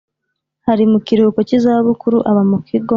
Ari mu kiruhuko cy’izabukuru aba mu kigo